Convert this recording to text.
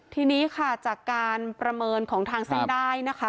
ทีนี้ค่ะจากการประเมินของทางเส้นได้นะคะ